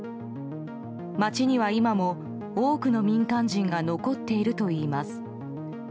街には今も、多くの民間人が残っているといいます。